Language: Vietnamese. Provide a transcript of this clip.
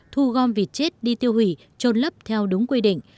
thu gom vịt chết đi tiêu hủy trôn lấp theo đúng quy định